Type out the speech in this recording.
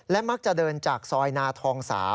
มักจะเดินจากซอยนาทอง๓